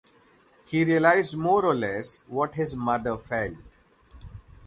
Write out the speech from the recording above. He realised more or less what his mother felt.